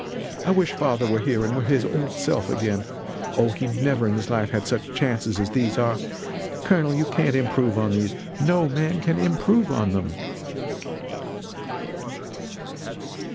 I wish father were here and were his old self again Oh, he never in his life had such chances as these are. Colonel; you can't improve on these no man can improve on them!"